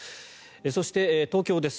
そして東京です。